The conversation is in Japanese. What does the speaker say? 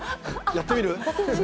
やってみる？